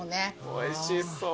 おいしそう。